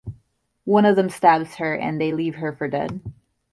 One of them stabs her and they leave her for dead.